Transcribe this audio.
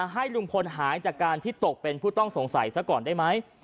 ให้ลุงพลหายจากการที่ตกเป็นผู้ต้องสงสัยซะก่อนได้ไหม